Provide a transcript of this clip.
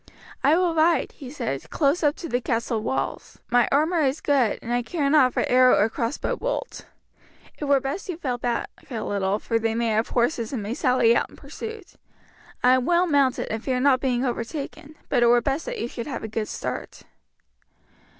"I will ride," he said, "close up to the castle walls. My armour is good, and I care not for arrow or crossbow bolt. It were best you fell back a little, for they may have horses and may sally out in pursuit. I am well mounted and fear not being overtaken, but it were best that you should have a good start."